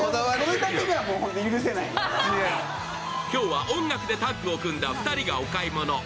今日は音楽でタッグを組んだ２人がお買い物。